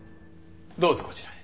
どうぞこちらへ。